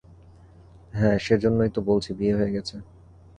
হ্যাঁ, সেজন্যই তো বলছি বিয়ে হয়ে গেছে।